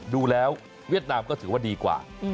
ดูแล้วเวียดนามก็ถือว่าดีกว่า